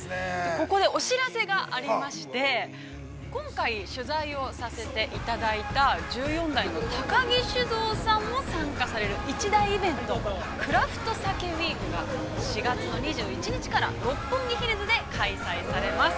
◆ここで、お知らせがありまして今回、取材をさせていただいた十四代の高木酒造さんも参加される一大イベントＣＲＡＦＴＳＡＫＥＷＥＥＫが４月の２１日から六本木ヒルズで開催されます。